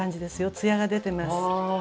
ツヤが出てます。